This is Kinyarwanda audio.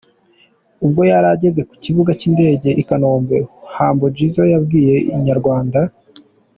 Ubwo yari ageze ku kibuga cy’indege i Kanombe, Humble Jizzo yabwiye Inyarwanda.